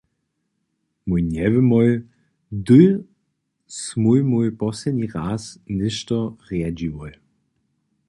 Mój njewěmoj, hdy smój mój posledni raz něšto rjedźiłoj.